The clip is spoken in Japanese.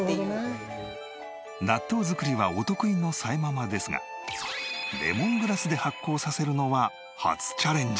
納豆作りはお得意のさえママですがレモングラスで発酵させるのは初チャレンジ。